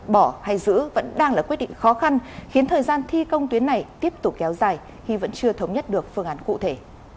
bỏ hay giữ vẫn đang là quyết định khó khăn khiến thời gian thi công tuyến này tiếp tục kéo dài khi vẫn chưa thống nhất được phương án cụ thể